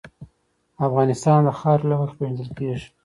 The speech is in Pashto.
افغانستان د خاوره له مخې پېژندل کېږي.